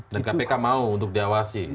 dan kpk mau untuk diawasi